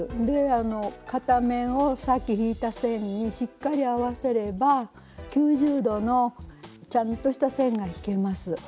片面をさっき引いた線にしっかり合わせれば９０度のちゃんとした線が引けます。